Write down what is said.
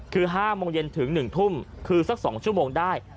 คือ๕โมงเย็นถึง๑ทุ่มคือสัก๒ชั่วโมงได้